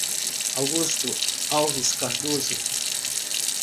Augusto Alves Cardoso